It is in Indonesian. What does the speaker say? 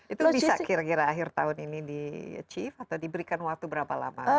itu bisa kira kira akhir tahun ini di achieve atau diberikan waktu berapa lama